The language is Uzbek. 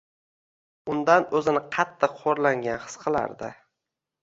Undan o’zini qattiq xo’rlangan his qilardi.